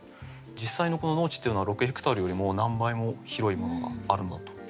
実際の農地っていうのは６ヘクタールよりもう何倍も広いものがあるのだと思います。